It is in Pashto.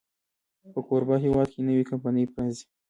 په کوربه هېواد کې نوې کمپني پرانیزي.